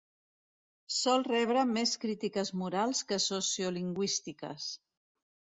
Sol rebre més crítiques morals que sociolingüístiques.